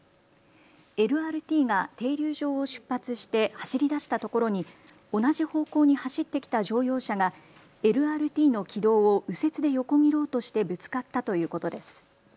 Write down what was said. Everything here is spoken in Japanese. ＬＲＴが停留場を出発して走りだしたところに同じ方向に走ってきた乗用車がＬＲＴの軌道を右折で横切ろうとしてぶつかったということです。